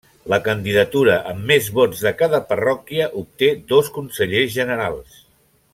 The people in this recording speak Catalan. La candidatura amb més vots de cada parròquia obté dos consellers generals.